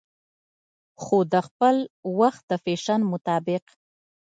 خو دخپل وخت د فېشن مطابق